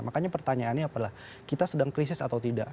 makanya pertanyaannya adalah kita sedang krisis atau tidak